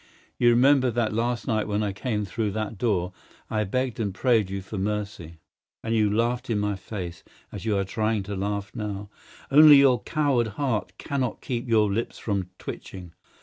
You remember that last night when I came through that door I begged and prayed you for mercy, and you laughed in my face as you are trying to laugh now, only your coward heart cannot keep your lips from twitching?